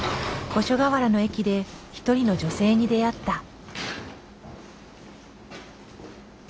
五所川原の駅で一人の女性に出会った。